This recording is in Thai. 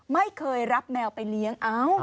ไม่เคยรับแมวไปเลี้ยง